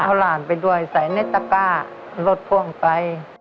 เอาหลานไปด้วยใส่ในตะก้ารถพ่วงไป